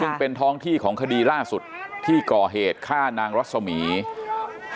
ซึ่งเป็นท้องที่ของคดีล่าสุดที่ก่อเหตุฆ่านางรัศมีร์